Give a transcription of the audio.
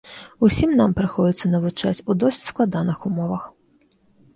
Усім нам прыходзіцца навучаць у досыць складаных умовах.